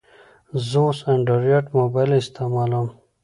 زه اوس انډرایډ موبایل استعمالوم.